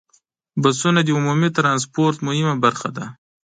بسونه د عمومي ټرانسپورت مهمه برخه ده.